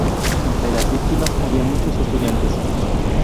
Entre las víctimas había muchos estudiantes".